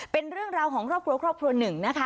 เป็นเรื่องราวของครอบครัวครอบครัวหนึ่งนะคะ